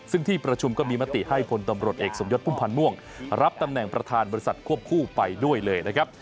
ซึ่งที่ประชุมก็มีมติให้พลตำรวจเอกสมยศพุ่มพันธ์ม่วงรับตำแหน่งประธานบริษัทควบคู่ไปด้วยเลยนะครับ